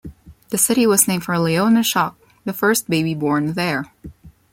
The city was named for Leona Shock, the first baby born there.